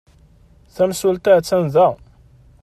Tamsulta attan da.